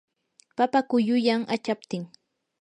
papa quyuyan achaptin.